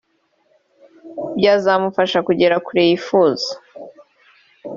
byazamufasha kugera kure yifuza